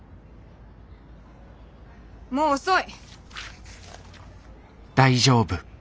もう遅い。